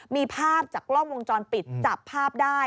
มีภาพจากกล้องวงจรปิดจับภาพได้